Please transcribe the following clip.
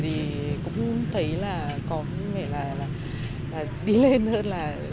thì cũng thấy là có nghĩa là đi lên hơn